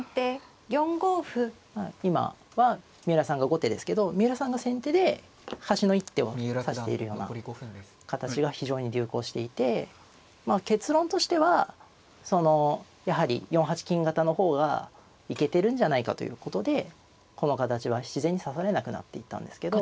今は三浦さんが後手ですけど三浦さんが先手で端の一手を指しているような形が非常に流行していてまあ結論としてはそのやはり４八金型の方がいけてるんじゃないかということでこの形は自然に指されなくなっていったんですけど。